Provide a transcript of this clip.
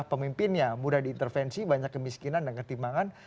pemimpinnya mudah diintervensi banyak kemiskinan dan ketimbangan